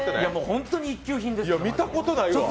本当に一級品でしたね。